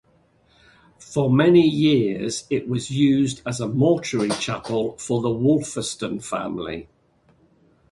For many years it was used as a mortuary chapel for the Wolferstan family.